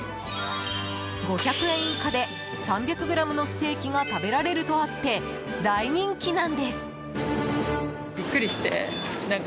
５００円以下で３００ｇのステーキが食べられるとあって大人気なんです。